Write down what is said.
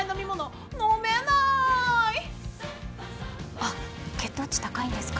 あっ血糖値高いんですか？